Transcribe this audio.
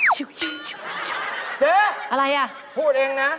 เจ๊พูดเองนะ